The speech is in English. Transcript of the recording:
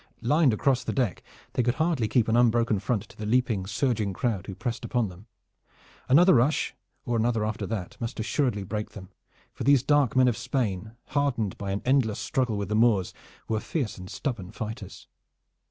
Lined across the deck they could hardly keep an unbroken front to the leaping, surging crowd who pressed upon them. Another rush, or another after that, must assuredly break them, for these dark men of Spain, hardened by an endless struggle with the Moors, were fierce and stubborn fighters.